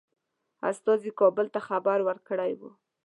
استازي کابل ته خبر ورکړی وو.